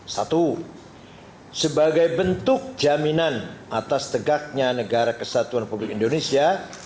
satu sebagai bentuk jaminan atas tegaknya negara kesatuan publik indonesia